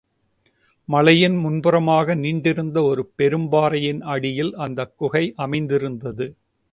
மலையில் முன்புறமாக நீண்டிருந்த ஒரு பெரும்பாறையின் அடியில் அந்தக் குகை அமைந்திருந்தது.